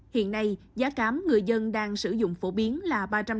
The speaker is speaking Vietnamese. hiện nay giá cám người dân đang sử dụng phổ biến là ba trăm năm mươi đồng trên hai mươi năm kg